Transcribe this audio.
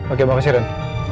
oke makasih ren